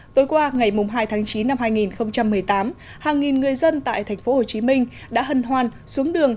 tối qua ngày hai tháng chín năm hai nghìn một mươi tám hàng nghìn người dân tại thành phố hồ chí minh đã hân hoan xuống đường